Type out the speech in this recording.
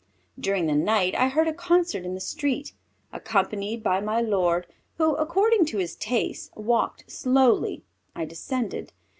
During the night I heard a concert in the street. Accompanied by my lord, who, according to his taste, walked slowly, I descended.